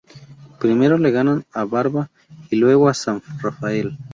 Primero le ganan a Barva y luego a San Rafael.